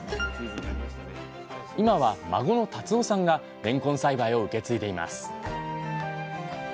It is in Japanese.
今は孫の立生さんがれんこん栽培を受け継いでいます